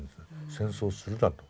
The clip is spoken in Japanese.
戦争をするなと。